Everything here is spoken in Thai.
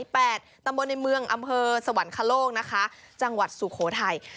ตำบลในเมืองอำเภอสวรรคโลกนะคะจังหวัดสุโขทัย